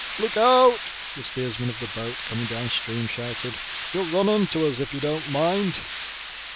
"Look out!" the steersman of the boat coming down stream shouted; "you will run into us if you don't mind."